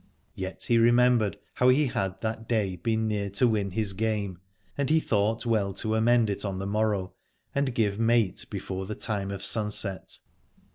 Yet he remembered how he had that day been near to win his game, and he thought well to amend it on the morrow and give mate before the time of sunset.